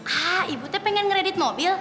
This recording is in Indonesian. ah ibunya pengen kredit mobil